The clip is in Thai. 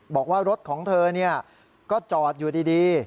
บอกว่ารถของเธอก็จอดอยู่ดี